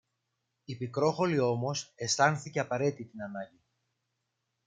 Η Πικρόχολη όμως αισθάνθηκε απαραίτητη την ανάγκη